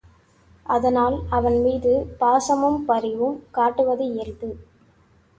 அதனால் அவன்மீது பாசமும் பரிவும் காட்டுவது இயல்பு.